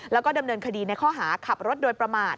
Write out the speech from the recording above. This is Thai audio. แล้วก็ดำเนินคดีในข้อหาขับรถโดยประมาท